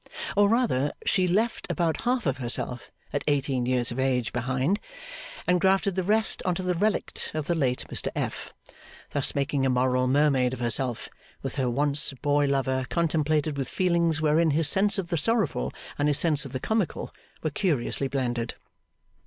Or rather, she left about half of herself at eighteen years of age behind, and grafted the rest on to the relict of the late Mr F.; thus making a moral mermaid of herself, which her once boy lover contemplated with feelings wherein his sense of the sorrowful and his sense of the comical were curiously blended.